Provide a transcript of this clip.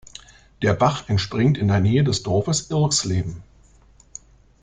Der Bach entspringt in der Nähe des Dorfes Irxleben.